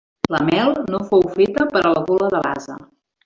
La mel no fou feta per a la gola de l'ase.